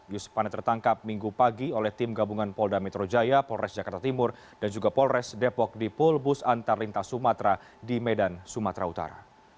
yus pane tertangkap minggu pagi oleh tim gabungan polda metro jaya polres jakarta timur dan juga polres depok di pulbus antar lintas sumatera di medan sumatera utara